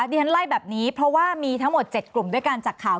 ที่ฉันไล่แบบนี้เพราะว่ามีทั้งหมด๗กลุ่มด้วยกันจากข่าว